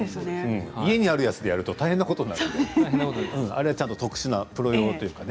家にあるやつでやると大変なことになるからあれは特殊なプロ用というかね。